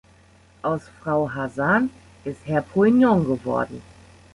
Aus Frau Hazan ist Herr Poignant geworden.